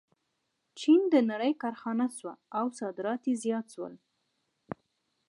چین د نړۍ کارخانه شوه او صادرات یې زیات شول.